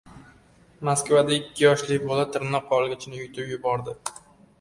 Moskvada ikki yoshli bola tirnoq olgichni yutib yubordi